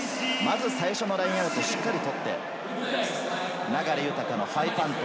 最初のラインアウトをしっかり取って流大のハイパント。